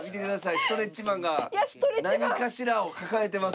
ストレッチマンが何かしらを抱えてます。